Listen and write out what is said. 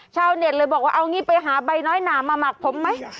ชาวเน็ตเลยบอกว่าเอางี้ไปหาใบน้อยหนามาหมักผมไหม